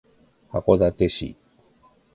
函館市